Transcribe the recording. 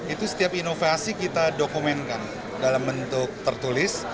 itu setiap inovasi kita dokumenkan dalam bentuk tertulis